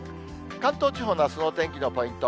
関東地方のあすのお天気のポイント。